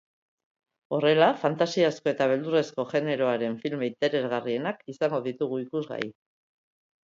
Horrela, fantasiazko eta beldurrezko generoaren filme interesgarrienak izango ditugu ikusgai.